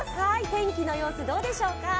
天気の様子どうでしょうか？